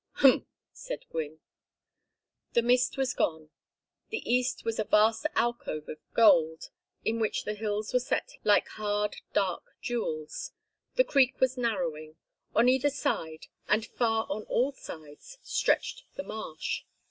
"Humph!" said Gwynne. The mist was gone. The east was a vast alcove of gold in which the hills were set like hard dark jewels. The creek was narrowing. On either side, and far on all sides, stretched the marsh.